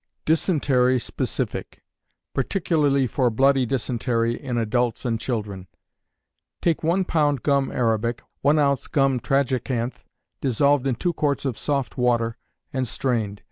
Dysentery Specific, (particularly for bloody dysentery in Adults and Children.) Take one pound gum arabic, one ounce gum tragacanth, dissolved in two quarts of soft water, and strained.